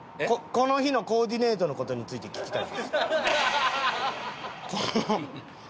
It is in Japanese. この日のコーディネートについてちょっと聞きたい。